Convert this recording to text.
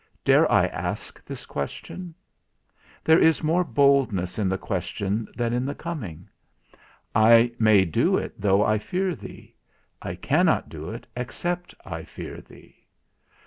Dare I ask this question? There is more boldness in the question than in the coming; I may do it though I fear thee; I cannot do it except I fear thee.